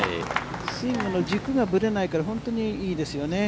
スイングの軸がぶれないから、本当にいいですよね。